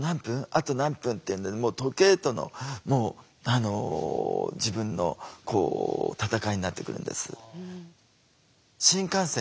あと何分」っていうんで時計との自分の闘いになってくるんです。